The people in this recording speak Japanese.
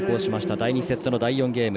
第２セットの第４ゲーム。